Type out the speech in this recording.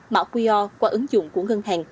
mão qr qua ứng dụng của ngân hàng